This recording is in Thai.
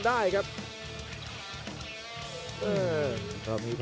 ชาเลน์